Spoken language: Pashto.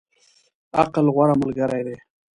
عقل، غوره ملګری دی.